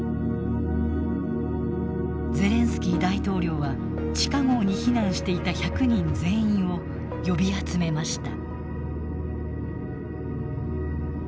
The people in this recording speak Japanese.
ゼレンスキー大統領は地下壕に避難していた１００人全員を呼び集めました。